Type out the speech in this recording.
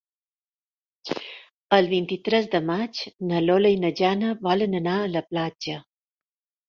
El vint-i-tres de maig na Lola i na Jana volen anar a la platja.